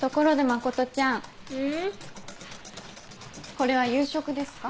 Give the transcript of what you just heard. これは夕食ですか？